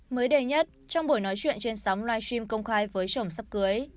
mới đầy nhất trong buổi nói chuyện trên sóng livestream công khai với chồng sắp cưới